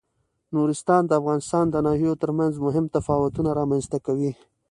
نورستان د افغانستان د ناحیو ترمنځ مهم تفاوتونه رامنځ ته کوي.